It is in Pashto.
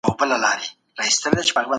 که زده کړه په کور کي وسي دا تعليم دی.